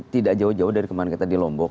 tidak jauh jauh dari kemarin kita di lombok